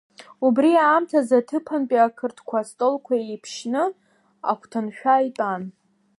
Убри аамҭазын аҭыԥантәи ақырҭқәа астолқәа еиԥшьны агәҭаншәа итәан.